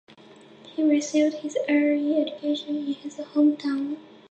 He received his early education in his hometown.